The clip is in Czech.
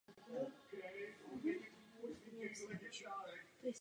Další skupina odešla do nově vytvářené Demokratické strany.